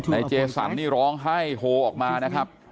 เจสันนี่ร้องไห้โฮออกมานะครับ